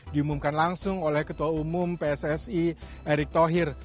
diumumkan langsung oleh ketua umum pssi erick thohir